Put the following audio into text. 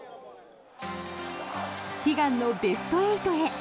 悲願のベスト８へ。